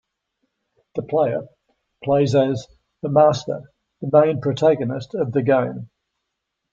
The player plays as "The Master," the main protagonist of the game.